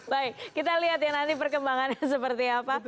baik kita lihat ya nanti perkembangannya seperti apa